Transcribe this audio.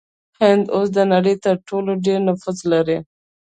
هند اوس د نړۍ تر ټولو ډیر نفوس لري.